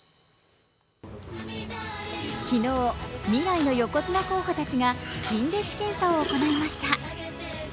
昨日、未来の横綱候補たちが新弟子検査を行いました。